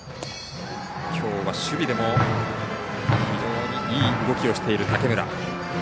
きょうは守備でも非常にいい動きをしている竹村。